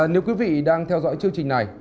nếu quý vị đang theo dõi chương trình này